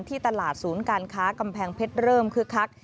ตลาดศูนย์การค้ากำแพงเพชรเริ่มคึกคัก